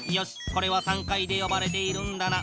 これは３階でよばれているんだな。